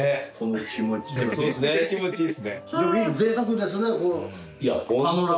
気持ちいいっすね。